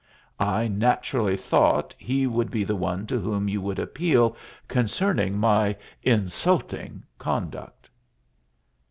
"I naturally thought he would be the one to whom you would appeal concerning my 'insulting' conduct."